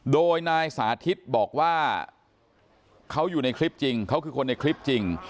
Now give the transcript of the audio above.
โดยนายสาธิตบอกว่าเขาอยู่ในคลิปจริงเขาคือคนในคลิปจริง